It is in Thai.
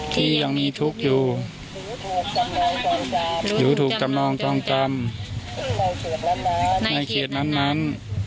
ที่ยังมีทุกข์อยู่หรือถูกจำนองจองจำในเขตนั้น